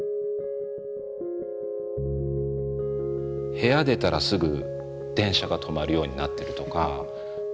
部屋出たらすぐ電車が止まるようになってるとか。